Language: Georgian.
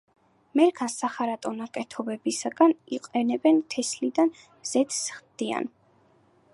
მერქანს სახარატო ნაკეთობებისათვის იყენებენ, თესლიდან ზეთს ხდიან.